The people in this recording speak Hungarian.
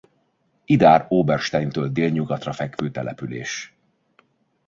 Idar-Obersteintől délnyugatra fekvő település.